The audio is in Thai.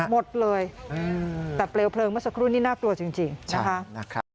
หมดเลยแต่เปลวเพลิงเมื่อสักครู่นี้น่ากลัวจริงนะคะ